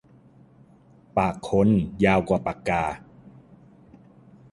ปากคนยาวกว่าปากกา